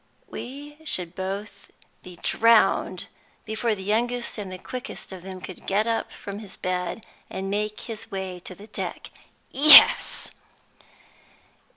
We should both be drowned before the youngest and the quickest of them could get up from his bed and make his way to the deck. Yes!